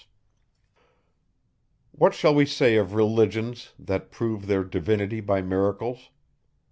What shall we say of religions that prove their divinity by miracles?